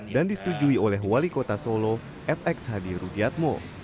disetujui oleh wali kota solo fx hadi rudiatmo